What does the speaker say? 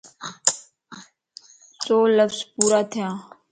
سو لفظ پورا ٿيانَ